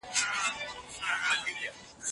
تاسو کولای شئ چې له دې ځایه فایلونه ولېږئ.